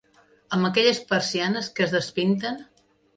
Amb aquelles persianes que es despinten